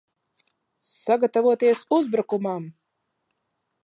Sagatavoties uzbrukumam!